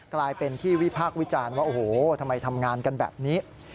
กลายเป็นที่วิพากษ์วิจารณ์ว่าโอ้โหทำไมทำงานกันแบบนี้